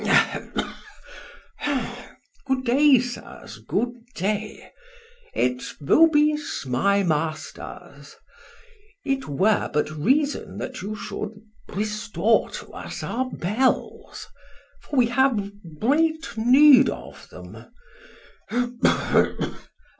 Hem, hem, gud day, sirs, gud day. Et vobis, my masters. It were but reason that you should restore to us our bells; for we have great need of them.